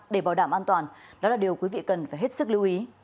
để bảo đảm an toàn đó là điều quý vị cần phải hết sức lưu ý